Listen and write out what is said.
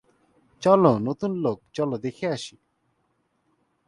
চল, নতুন লোক, চল দেখে আসি।